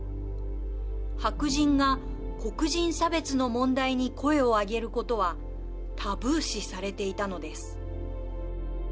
白人が、黒人差別の問題に声を上げることはタブー視されていたのです。